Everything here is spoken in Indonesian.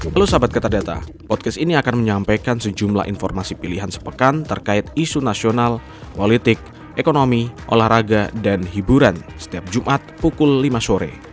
lalu sahabat kata podcast ini akan menyampaikan sejumlah informasi pilihan sepekan terkait isu nasional politik ekonomi olahraga dan hiburan setiap jumat pukul lima sore